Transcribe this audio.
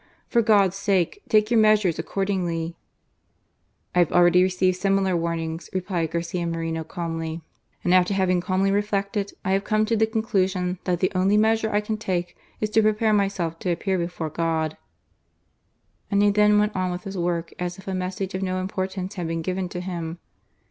For God's sake, take your measures accordingly !" "I have already received similar warnings," replied Garcia Moreno calmly. 398 GARCIA MORENO. "and after havinR calmly reflected, I hiive come to the conclusion that the only measure I can take is to prepare myself to appear before God." And he then went on with his work as if a message of no importance had been given to him.